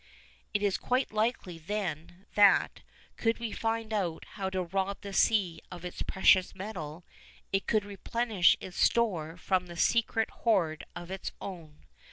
It is quite likely, then, that, could we find out how to rob the sea of its precious metal, it could replenish its store from some secret hoard of its own.